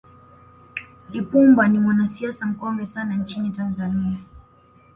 lipumba ni mwanasiasa mkongwe sana nchini tanzania